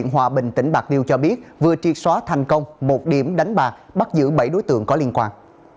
hòa bình tỉnh bạc liêu cho biết vừa triệt xóa thành công một điểm đánh bạc bắt giữ bảy đối tượng có liên quan